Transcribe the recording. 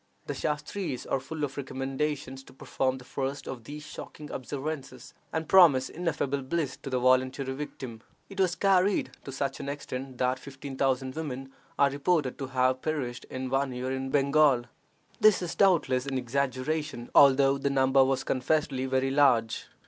The Shastres are full of recommendations to perform the first of these shocking observances, and promise ineffable bliss to the voluntary victim. It was carried to such an extent that fifteen thousand women are reported to have perished in one year in Bengal. This is doubtless an exaggeration, although the number was confessedly very large.